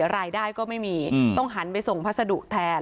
รายได้ก็ไม่มีต้องหันไปส่งพัสดุแทน